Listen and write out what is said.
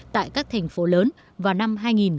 tại các thành phố lớn vào năm hai nghìn một mươi bảy